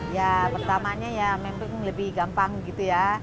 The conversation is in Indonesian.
ya pertamanya ya memang lebih gampang gitu ya